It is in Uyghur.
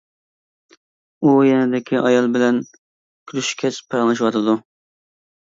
ئۇ يېنىدىكى ئايال بىلەن كۈلۈشكەچ پاراڭلىشىۋاتىدۇ.